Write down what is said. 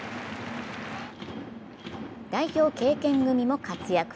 代表経験組も活躍。